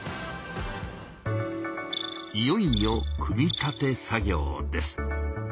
いよいよ「組み立て」作業です。